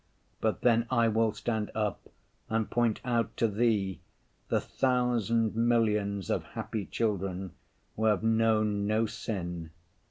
But then I will stand up and point out to Thee the thousand millions of happy children who have known no sin.